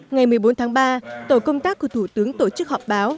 ngày một mươi bốn tháng ba tổ công tác của thủ tướng tổ chức họp báo